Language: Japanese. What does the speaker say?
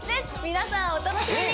皆さんお楽しみに！